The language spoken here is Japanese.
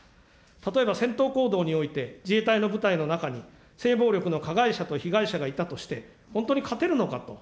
例えば戦闘行動において、自衛隊の部隊の中に性暴力の加害者と被害者がいたとして、本当に勝てるのかと。